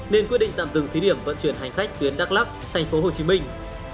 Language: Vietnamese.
nên quyết định tạm dừng thí điểm vận chuyển hành khách tuyến đắk lắc thành phố hồ chí minh